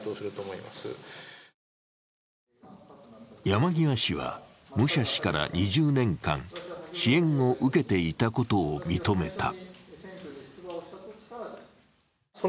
山際氏は武者氏から２０年間支援を受けていたことを認めた。